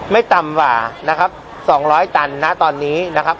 ไม่ต่ำกว่านะครับ๒๐๐ตันนะตอนนี้นะครับ